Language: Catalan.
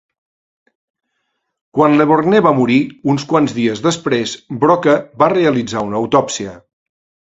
Quan Leborgne va morir uns quants dies després, Broca va realitzar una autòpsia.